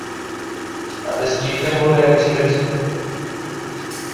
তাদের স্টিফেন বলে এক ছেলে ছিল।